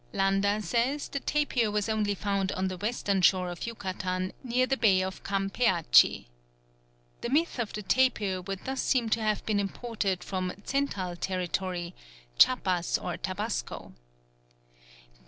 Landa says the tapir was only found on the western shore of Yucatan near the Bay of Campeachy. The myth of the tapir would thus seem to have been imported from Tzental territory, Chiapas and Tabasco.